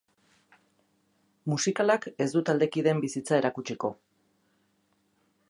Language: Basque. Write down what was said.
Musikalak ez du taldekideen bizitza erakutsiko.